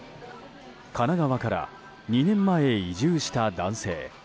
神奈川から２年前移住した男性。